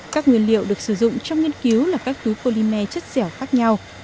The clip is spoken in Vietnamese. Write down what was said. các nguyên liệu được sử dụng trong nghiên cứu là các túi polymer chất dẻo khác nhau